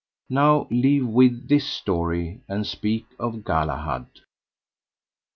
Now leave we this story and speak of Galahad.